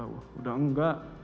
wah udah enggak